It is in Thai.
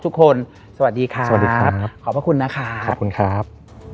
ทุกคนสวัสดีครับขอบคุณนะครับ